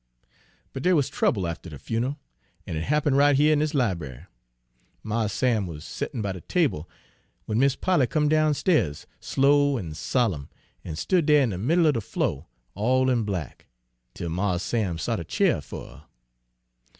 "But dere wuz trouble after de fune'al, an' it happen' right hyuh in dis lib'ary. Mars Sam wuz settin' by de table, w'en Mis' Polly come downstairs, slow an' solemn, an' stood dere in de middle er de flo', all in black, till Mars Sam sot a cheer fer her.